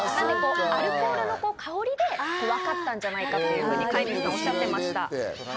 アルコールの香りでわかったんじゃないかというふうに飼い主さんはおっしゃっていました。